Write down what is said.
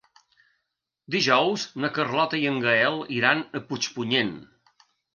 Dijous na Carlota i en Gaël iran a Puigpunyent.